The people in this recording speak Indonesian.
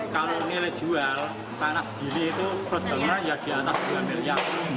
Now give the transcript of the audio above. kalau nilai jual tanah sendiri itu prosedurnya ya di atas dua miliar